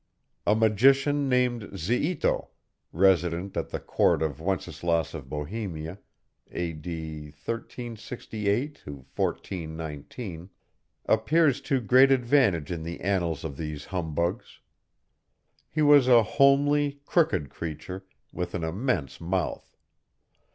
A magician named Ziito, resident at the court of Wenceslaus of Bohemia (A. D. 1368 to 1419,) appears to great advantage in the annals of these humbugs. He was a homely, crooked creature, with an immense mouth.